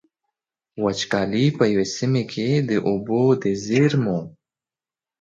وچکالي په يوې سيمې کې د اوبو د زېرمو.